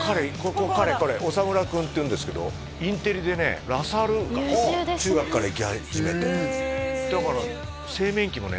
これ彼彼長村君っていうんですけどインテリでねラ・サールか中学から行き始めてへえだから製麺機もね